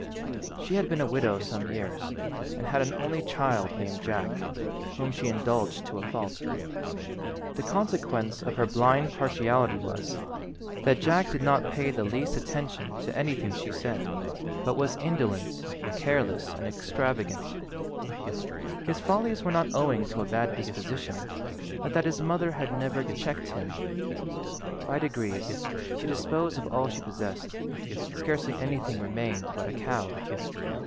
She had been a widow some years, and had an only child named Jack, whom she indulged to a fault. The consequence of her blind partiality was, that Jack did not pay the least attention to anything she said, but was indolent, careless, and extravagant. His follies were not owing to a bad disposition, but that his mother had never checked him. By degrees she disposed of all she possessed—scarcely anything remained but a cow.